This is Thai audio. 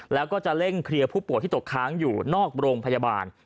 แล้วก็จะเร่งเคลียร์ผู้ป่วยที่ตกค้างอยู่นอกโรงพยาบาล